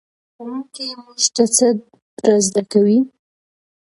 ښوونکی موږ ته څه را زده کوي؟